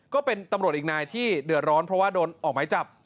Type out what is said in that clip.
ก็เป็นตำรวจอีกนายที่เดือดร้อนเพราะว่าโดนออกไม้จับ